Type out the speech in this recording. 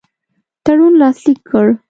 تړون لاسلیک کړ.